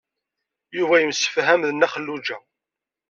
Yuba yemsefham d Nna Xelluǧa.